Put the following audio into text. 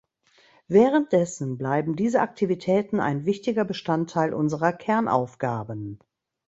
Währenddessen bleiben diese Aktivitäten ein wichtiger Bestandteil unserer Kernaufgaben.